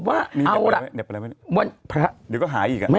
ไอ้หนุ่ม